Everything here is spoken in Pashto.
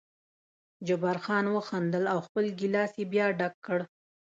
جبار خان وخندل او خپل ګیلاس یې بیا ډک کړ.